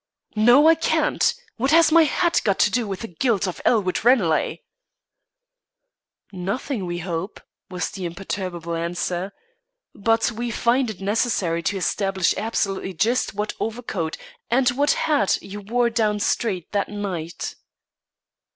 "No, I can't. What has my hat got to do with the guilt of Elwood Ranelagh?" "Nothing, we hope," was the imperturbable answer. "But we find it necessary to establish absolutely just what overcoat and what hat you wore down street that night."